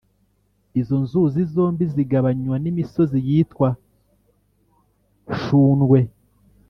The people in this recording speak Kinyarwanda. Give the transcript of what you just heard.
izo nzuzi zombi zigabanywa n'imisozi yitwa gshundwe